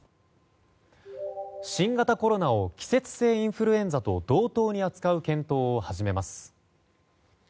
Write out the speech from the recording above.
新型コロナを季節性インフルエンザと同等に扱う検討を始めます。